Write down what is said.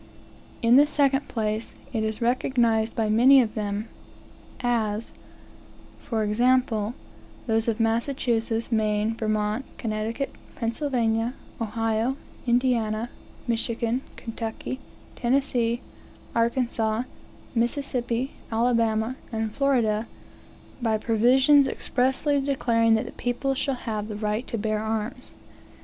In the second place, it is recognized by many of them, as, for example, those of Massachusetts, Maine, Vermont, Connecticut, Pennsylvania, Ohio, Indiana, Michigan, Kentucky, Tennessee, Arkansas, Mississippi, Alabama, and Florida, by provisions expressly declaring that the people shall have the right to bear arms.